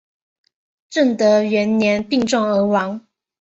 正德元年病重而亡。